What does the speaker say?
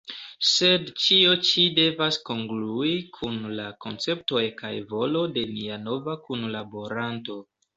Sed ĉio ĉi devas kongrui kun la konceptoj kaj volo de nia nova kunlaboranto.